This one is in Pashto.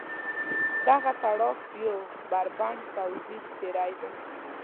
دغه تاړاک یو بربنډ پوځي تېری دی.